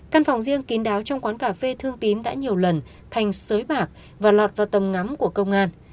căn phòng riêng kín đáo trong quán cà phê thương tín đã nhiều lần thành sới bạc và lọt vào tầm ngắm của công an